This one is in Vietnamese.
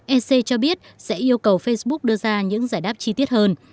ec cho biết sẽ yêu cầu facebook đưa ra những giải đáp chi tiết hơn